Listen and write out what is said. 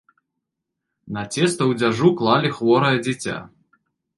На цеста ў дзяжу клалі хворае дзіця.